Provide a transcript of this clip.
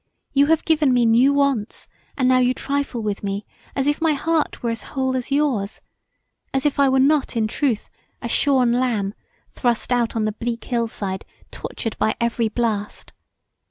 You have given me new wants and now your trifle with me as if my heart were as whole as yours, as if I were not in truth a shorn lamb thrust out on the bleak hill side, tortured by every blast.